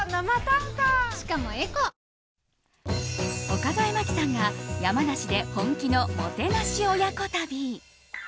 岡副麻希さんが山梨で本気のもてなし親子旅。